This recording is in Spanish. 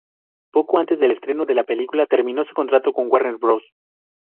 Poco antes del estreno de la película, terminó su contrato con Warner Bros.